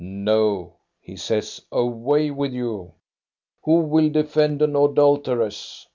"No," he says, "away with you. Who will de fend an adulteress?